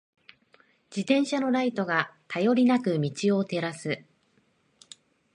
自転車のライトが、頼りなく道を照らす。